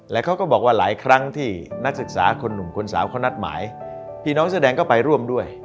และเขาก็บอกว่าหลายครั้งที่นักศึกษาคนหนุ่มคนสาวเขานัดหมายพี่น้องแสดงก็ไปร่วมด้วย